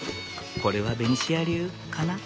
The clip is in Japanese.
これはベニシア流かな。